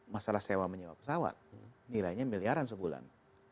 masalah sewa menyewa pesawat nilainya miliaran sebulan